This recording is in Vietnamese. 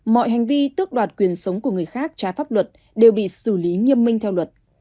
mọi hành vi tước đoạt quyền sống của người khác trái pháp luật đều bị xử lý nghiêm minh theo luật